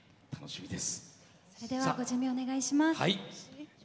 それではご準備お願いします。